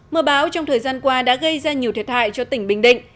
mưa bão trong thời gian qua đã gây ra nhiều thiệt hại cho tỉnh bình định